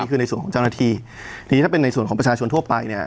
คือในส่วนของเจ้าหน้าที่ทีนี้ถ้าเป็นในส่วนของประชาชนทั่วไปเนี่ย